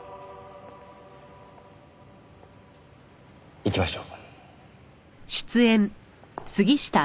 行きましょう。